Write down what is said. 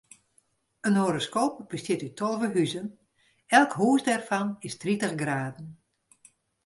In horoskoop bestiet út tolve huzen, elk hûs dêrfan is tritich graden.